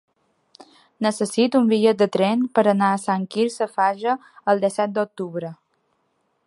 Necessito un bitllet de tren per anar a Sant Quirze Safaja el disset d'octubre.